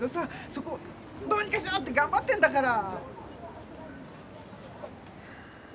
そこをどうにかしようってがんばってんだから！